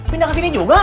pindah ke sini juga